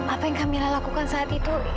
apa yang kami lakukan saat itu